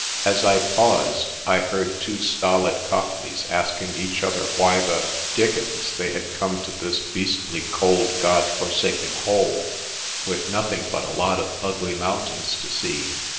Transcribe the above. As I paused, I heard two stolid Cockneys asking each other why the— dickens they had come to this " beastly, cold, God forsaken hole, with nothing but a lot of ugly mountains to see.